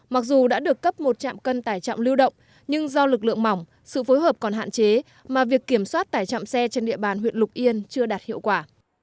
mặc dù đã được cấp một chạm cân tải trọng lưu động nhưng do lực lượng mỏng sự phối hợp còn hạn chế mà việc kiểm soát tải trọng xe trên địa bàn huyện lục yên chưa đạt hiệu quả